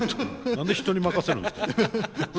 何で人に任せるんですか？